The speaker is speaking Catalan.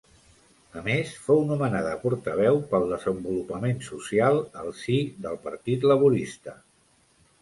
A més, fou nomenada portaveu pel desenvolupament social al si del Partit Laborista.